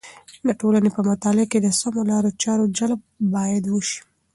د ټولنې په مطالعه کې د سمو لارو چارو جلب باید وسي.